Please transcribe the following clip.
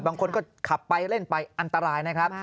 บางคนก็ขับไปเล่นไปอันตรายนะครับ